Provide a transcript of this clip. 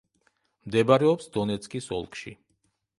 მდებარეობს დონეცკის ოლქში.